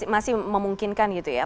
masih memungkinkan gitu ya